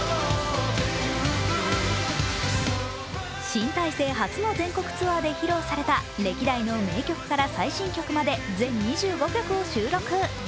新体制初の全国ツアーで披露された歴代の名曲から最新曲まで全２５曲を収録。